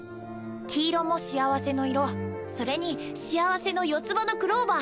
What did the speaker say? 黄色も幸せの色それに幸せの四つ葉のクローバー